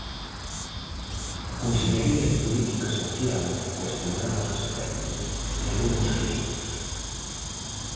A Consellaría de Política Social, cuestionada ao respecto, negou os feitos.